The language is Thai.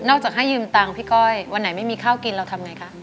จากให้ยืมตังค์พี่ก้อยวันไหนไม่มีข้าวกินเราทำไงคะ